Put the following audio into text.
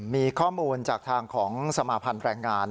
มีข้อมูลจากทางของสมาพันธ์แรงงาน